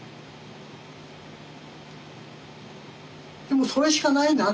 でもそれしかないな。